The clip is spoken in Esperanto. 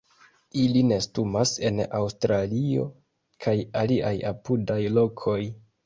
Ili nestumas en Aŭstralio, kaj aliaj apudaj lokoj.